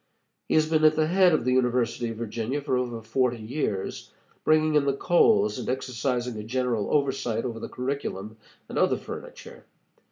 He has been at the head of the University of Virginia for over forty years, bringing in the coals and exercising a general oversight over the curriculum and other furniture.